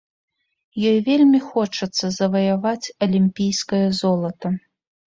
Ёй вельмі хочацца заваяваць алімпійскае золата.